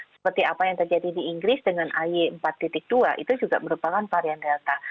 seperti apa yang terjadi di inggris dengan ay empat dua itu juga merupakan varian delta